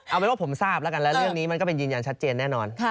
เอาเป็นว่าผมทราบแล้วกันแล้วเรื่องนี้มันก็เป็นยืนยันชัดเจนแน่นอน